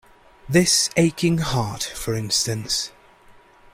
This aching heart, for instance.